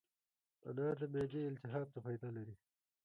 انار د معدې التهاب ته فایده لري.